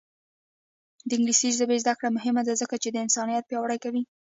د انګلیسي ژبې زده کړه مهمه ده ځکه چې انسانیت پیاوړی کوي.